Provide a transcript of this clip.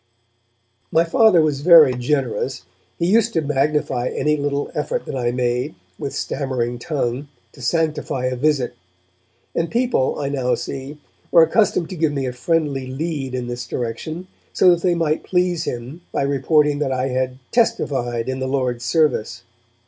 My Father was very generous. He used to magnify any little effort that I made, with stammering tongue, to sanctify a visit; and people, I now see, were accustomed to give me a friendly lead in this direction, so that they might please him by reporting that I had 'testified' in the Lord's service.